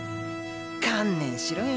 観念しろよ。